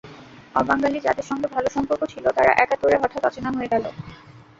অবাঙালি যাদের সঙ্গে ভালো সম্পর্ক ছিল, তারা একাত্তরে হঠাৎ অচেনা হয়ে গেল।